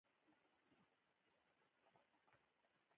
راځه ډېره ښه شوتله ده، مور دې نن توره کړې.